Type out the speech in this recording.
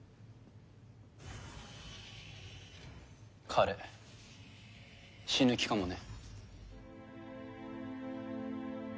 彼死ぬ気かもね。